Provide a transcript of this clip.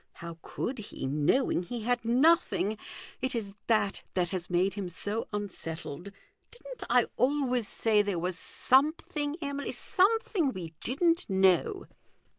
How could he, knowing he had nothing ? It is that that has made him so unsettled. Didn't I always say there was something, Emily, something we didn't know